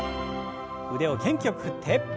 腕を元気よく振って。